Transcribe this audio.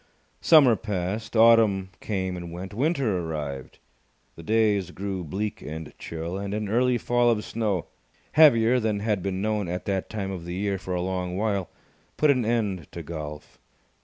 Summer passed. Autumn came and went. Winter arrived. The days grew bleak and chill, and an early fall of snow, heavier than had been known at that time of the year for a long while, put an end to golf.